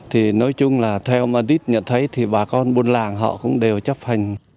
thì nói chung là theo mà tít nhận thấy thì bà con buôn làng họ cũng đều chấp hành